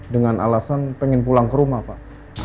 dengan alasan pengen pulang ke rumah pak